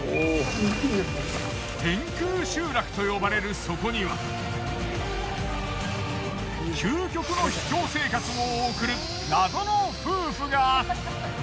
天空集落と呼ばれるそこには究極の秘境生活を送る謎の夫婦が。